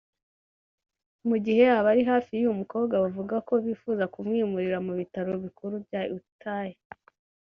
Mu gihe abari hafi y’uyu mukobwa bavuga ko bifuza kumwimurira mu bitaro bikuru bya Utah